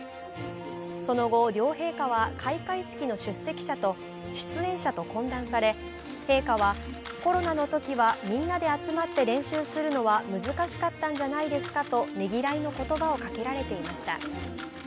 その後、両陛下は開会式の出演者と懇談され、陛下は、コロナのときはみんなで集まって練習するのは難しかったんじゃないですかとねぎらいの言葉をかけられていました。